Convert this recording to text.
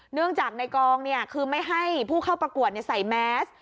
เนื่องจากในกองคือไม่ให้ผู้เข้าประกวดใส่แมส